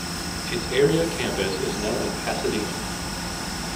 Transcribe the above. Its area campus is now in Pasadena.